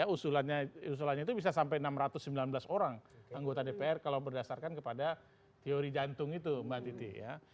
usulannya itu bisa sampai enam ratus sembilan belas orang anggota dpr kalau berdasarkan kepada teori jantung itu mbak titi ya